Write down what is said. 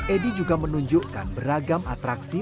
edy juga menunjukkan beragam atraksi